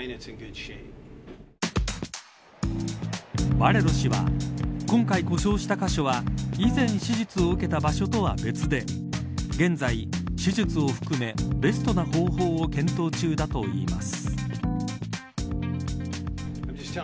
バレロ氏は今回故障した箇所は以前手術を受けた場所とは別で現在、手術を含めベストな方法を検討中だといいます。